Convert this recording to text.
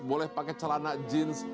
boleh pakai celana jeans